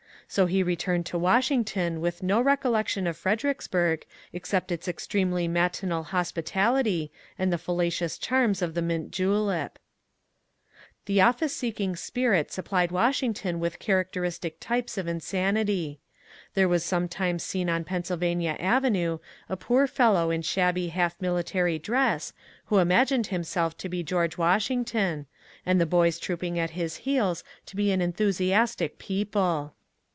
So he returned to Washing ton with no recollection of Fredericksburg except its ex tremely matinal hospitality and the fallacious charms of the mint julep. The office seeking spirit supplied Washington with char acteristic types of insanity. There was sometimes seen on Pennsylvania Avenue a poor fellow in shabby half military dress who imagined himself to be G^rge Washington, and the boys trooping at his heels to be an enthusiastic people.